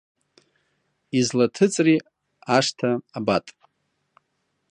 Излаҭыҵри ашҭа абат?